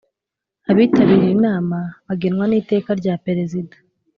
Abitabiriye inama bagenwa niteka rya Perezida